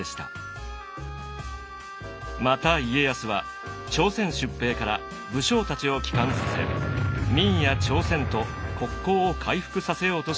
また家康は朝鮮出兵から武将たちを帰還させ明や朝鮮と国交を回復させようとします。